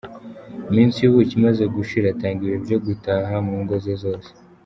Iminsi y’ubuki imaze gushira atanga ibihe byo gutaha mu ngo ze zose.